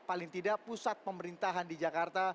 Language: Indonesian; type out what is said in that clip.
paling tidak pusat pemerintahan di jakarta